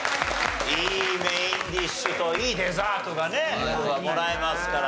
いいメインディッシュといいデザートがねもらえますから。